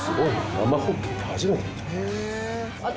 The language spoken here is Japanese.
生ほっけって初めて見た。